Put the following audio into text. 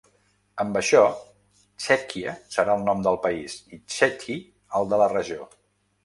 Amb això, ‘Czechia’ serà el nom del país i ‘Čechy’ el de la regió.